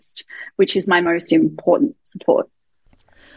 yang adalah penyokongan yang paling penting